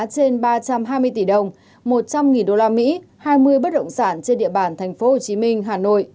khách thu ở thành phố hồ chí minh